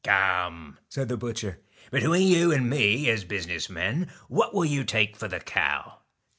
'Come,' said the butcher; 'between you and me, as business men, what will you take for the cow